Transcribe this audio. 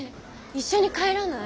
一緒に帰らない？